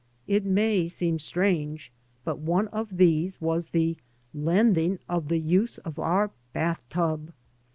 It may seem strange, but one of these was the lending of the use of our bath tub.